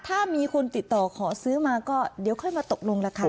ถ้ามีคนติดต่อขอซื้อมาก็เดี๋ยวค่อยมาตกลงราคา